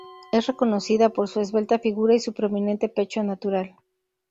Es reconocida por su esbelta figura y su prominente pecho natural.